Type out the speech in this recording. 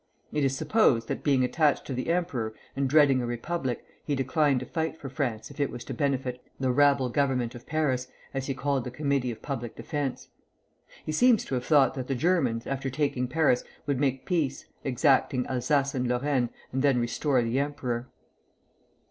It is supposed that being attached to the emperor, and dreading a Republic, he declined to fight for France if it was to benefit "the rabble Government of Paris," as he called the Committee of Public Defence. He seems to have thought that the Germans, after taking Paris, would make peace, exacting Alsace and Lorraine, and then restore the emperor.